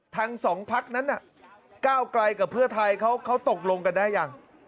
ทั้งสองพักนั้นก้าวไกลกับเพื่อไทยเขาตกลงกันได้ยัง